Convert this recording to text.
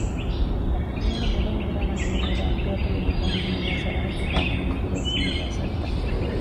ދެވަނަ ބޮޑު ހަނގުރާމަ ނިމުނުއިރު އައްޑު އަތޮޅުގެ ގަން ހިމެނޭ ސަރަޙައްދުގައި ވަނީ އިނގިރޭސީންގެ އަސަރުތައް